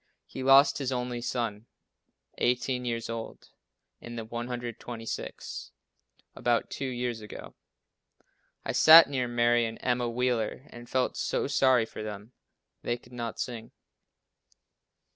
He lost his only son, 18 years old (in the 126th), about two years ago. I sat near Mary and Emma Wheeler and felt so sorry for them. They could not sing.